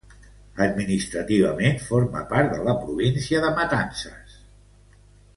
Administrativament, forma part de la província de Matanzas.